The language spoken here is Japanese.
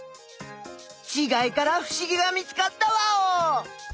ちがいからふしぎが見つかったワオ！